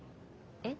え？